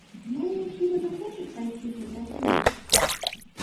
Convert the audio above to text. Ну, хіба захочаш пайсці супраць нас?